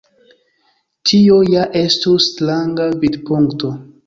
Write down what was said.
Tio ja estus stranga vidpunkto.